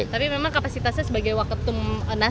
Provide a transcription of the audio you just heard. tapi memang kapasitasnya sebagai waketum nasdem